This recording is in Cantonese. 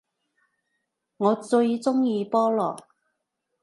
我最鍾意菠蘿